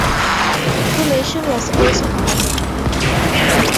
Cremation was also common.